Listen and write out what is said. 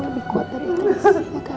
labih kuat dari iklas ya kamu